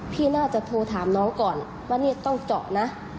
พี่น่าจะโทรถามน้องก่อนว่านี่ต้องเจาะนะ